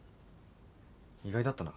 意外だったな。